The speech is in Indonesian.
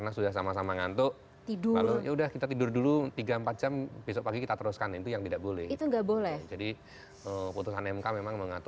apresiasi yang ada